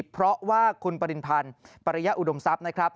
เพราะว่าคุณปริณพันธ์ปริยะอุดมทรัพย์นะครับ